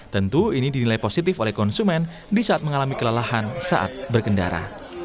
tentu ini dinilai positif oleh konsumen di saat mengalami kelelahan saat berkendara